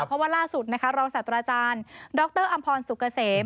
เพราะว่าล่าสุดนะคะรองศาสตราจารย์ดรอำพรสุกเกษม